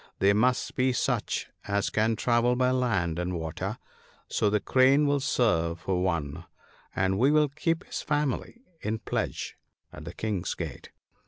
They must be such as can travel by land and water, so the Crane will serve for one, and we will keep his family in pledge at the King's gate.